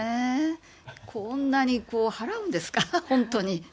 こんなに払うんですか、本当に。